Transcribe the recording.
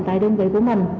tại đơn vị của mình